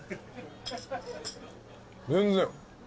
全然。